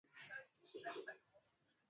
Christian ameandika sentensi nyingi sana.